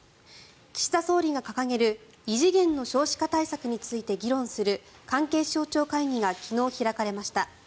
岸田総理が掲げる異次元の少子化対策について議論する関係省庁会議が昨日、開かれました。